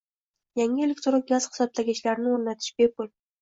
Yangi elektron gaz hisoblagichlarni o‘rnatish bepulng